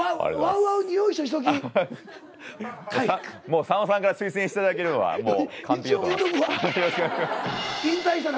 もうさんまさんから推薦していただければもう完璧だと思います。